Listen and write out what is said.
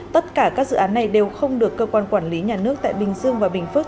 tất cả các dự án này đều không được cơ quan quản lý nhà nước tại bình dương và bình phước